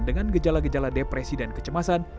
dengan gejala gejala depresi dan kecemasan